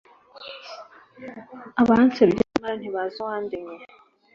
abansebya nyamara ntibazi uwandemye